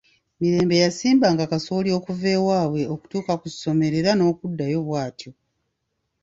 Mirembe yasimbanga kasooli okuva ewaabwe okutuuka ku ssomero era n'okuddayo bw'atyo.